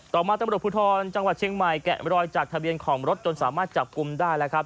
ต่อมาตำรวจภูทรจังหวัดเชียงใหม่แกะมรอยจากทะเบียนของรถจนสามารถจับกลุ่มได้แล้วครับ